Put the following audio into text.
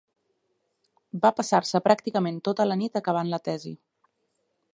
Va passar-se pràcticament tota la nit acabant la tesi.